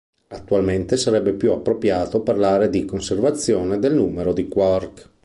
Attualmente sarebbe più appropriato parlare di conservazione del numero di quark.